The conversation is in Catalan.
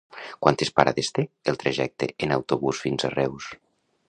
Quantes parades té el trajecte en autobús fins a Reus?